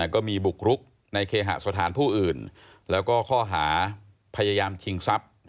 ก็มีบุกรุกในเคหสถานผู้อื่นแล้วก็ข้อหาพยายามชิงทรัพย์